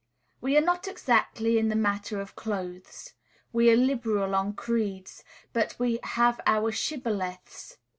We are not exacting in the matter of clothes; we are liberal on creeds; but we have our shibboleths.